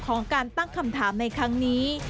ของการตั้งคำถามในครั้งนี้